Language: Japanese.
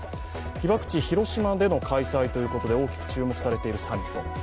被爆地・広島での開催ということで大きく注目されているサミット。